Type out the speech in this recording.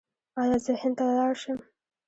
ایا زه هند ته لاړ شم؟